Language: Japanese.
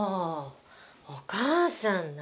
お母さん何？